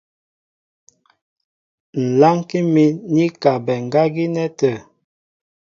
Ŋ̀ lánkí mín i kabɛ ŋgá gínɛ́ tə̂.